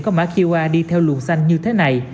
có mã qr đi theo luồng xanh như thế này